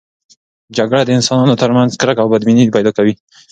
جګړه د انسانانو ترمنځ کرکه او بدبیني پیدا کوي.